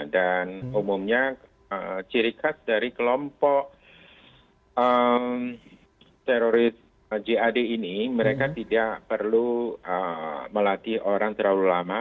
dan umumnya ciri khas dari kelompok teroris jad ini mereka tidak perlu melatih orang terlalu lama